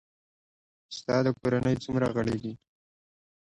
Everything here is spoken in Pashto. ستا د کورنۍ څومره غړي دي؟